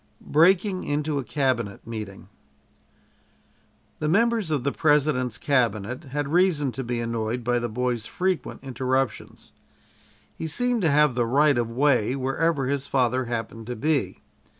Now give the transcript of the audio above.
BREAKING INTO A CABINET MEETING The members of the President's cabinet had reason to be annoyed by the boy's frequent interruptions. He seemed to have the right of way wherever his father happened to be.